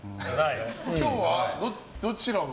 今日はどちらが？